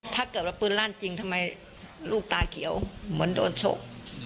ถ้าเกิดว่าปืนลั่นจริงทำไมลูกตาเขียวเหมือนโดนฉก